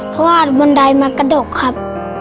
เพราะว่าบันไดมากระดกครับ